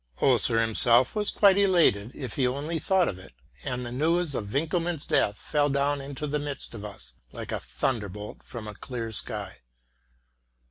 Oeser himself was quite elated if he only thought of it, and the news of Winckelmann's death fell down into the midst of us like a thunderbolt from a clear sky.